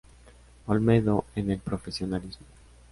Olmedo en el profesionalismo.